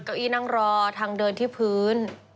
เก้าอี้นั่งรอทางเดินที่พื้น